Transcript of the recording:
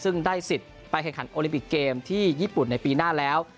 ซึ่งได้สิทธิ์ไปแข่งขันโอลิมปิกเกมที่ญี่ปุ่นในปีหน้าแล้ว